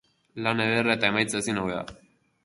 Lan ederra, eta emaitza ezin hobea.